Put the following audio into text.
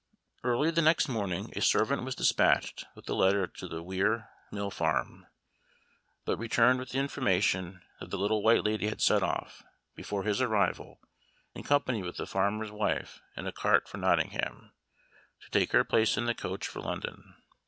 Early the next morning a servant was dispatched with the letter to the Weir Mill farm, but returned with the information that the Little White Lady had set off, before his arrival, in company with the farmer's wife, in a cart for Nottingham, to take her place in the coach for London.